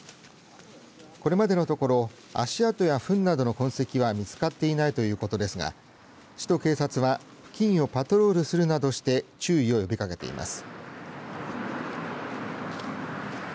これまでのところ足跡やふんなどの痕跡は見つかっていないということですが市と警察は付近をパトロールするなどして注意を呼びかけています。